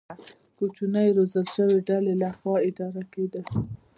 کوچنۍ روزل شوې ډلې له خوا اداره کېده.